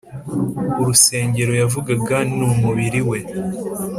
“urusengero yavugaga ni umubiri we